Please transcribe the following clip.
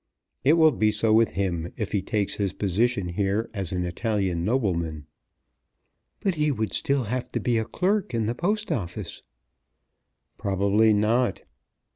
It will be so with him if he takes his position here as an Italian nobleman." "But he would still have to be a clerk in the Post Office." "Probably not."